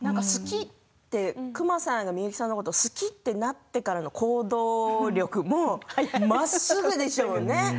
クマラさんがミユキさんのことを好きとなってからの行動力もまっすぐでしょうね。